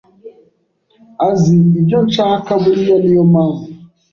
azi ibyo nshaka buriya niyo mpamvu